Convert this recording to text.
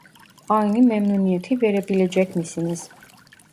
Aynı memnuniyeti verebilecek misiniz